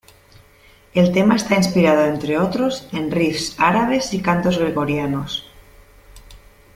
El tema está inspirado entre otros, en "riffs" árabes y cantos gregorianos.